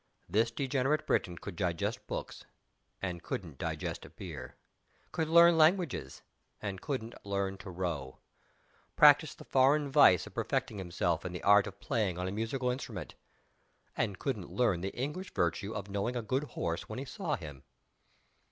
This degenerate Briton could digest books and couldn't digest beer. Could learn languages and couldn't learn to row. Practiced the foreign vice of perfecting himself in the art of playing on a musical instrument and couldn't learn the English virtue of knowing a good horse when he saw him.